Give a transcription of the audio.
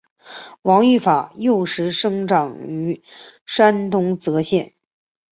张玉法幼时生长于山东峄县。